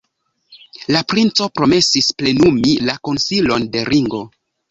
La princo promesis plenumi la konsilon de Ringo.